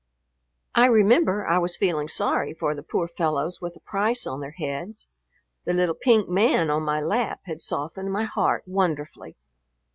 I remember I was feeling sorry for the poor fellows with a price on their heads, the little pink man on my lap had softened my heart wonderfully.